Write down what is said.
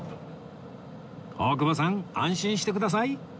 大久保さん安心してください